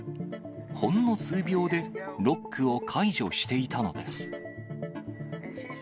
ほんの数秒で、ロックを解除していたのです。